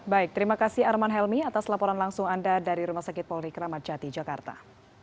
baik terima kasih arman helmi atas laporan langsung anda dari rumah sakit polri kramat jati jakarta